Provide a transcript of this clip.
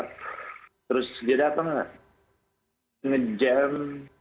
terus dia datang nge jam